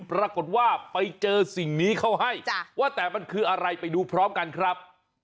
ปรากฏว่าไปเจอสิ่งนี้เข้าให้ว่าแต่มันคืออะไรไปดูพร้อมกันครับ